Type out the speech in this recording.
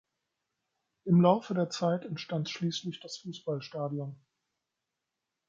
Im Laufe der Zeit entstand schließlich das Fußballstadion.